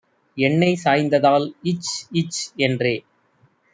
எண்ணெய் சாய்ந்ததால் இச் இச் என்றே